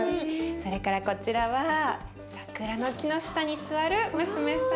それからこちらは桜の木の下に座る娘さん。